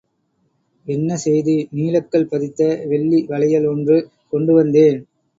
என்ன செய்தி? நீலக்கல் பதித்த வெள்ளி வளையல் ஒன்று கொண்டு வந்தேன்.